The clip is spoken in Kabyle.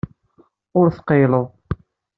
Ur tqeyyleḍ.